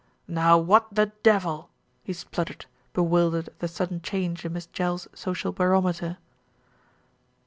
"Now what the devil !" he spluttered, bewildered at the sudden change in Miss Jell's social barometer.